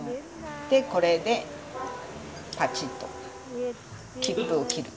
でこれでパチンと切符を切る。